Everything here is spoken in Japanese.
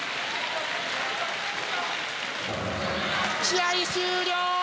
試合終了！